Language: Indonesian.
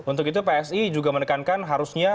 untuk itu psi juga menekankan harusnya